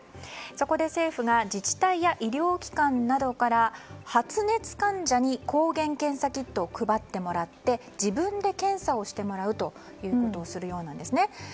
そこで、政府が自治体や医療機関などから発熱患者に抗原検査キットを配ってもらって、自分で検査をしてもらうということをするようなんですね。